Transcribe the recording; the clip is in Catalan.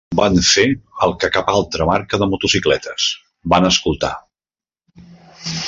Van fer el que cap altra marca de motocicletes; van escoltar.